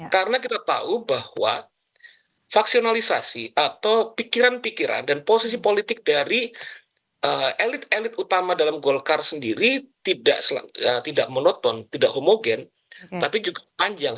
karena kita tahu bahwa faksionalisasi atau pikiran pikiran dan posisi politik dari elit elit utama dalam golkar sendiri tidak monoton tidak homogen tapi juga panjang